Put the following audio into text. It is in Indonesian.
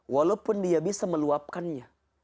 walaupun dia bisa meluapkannya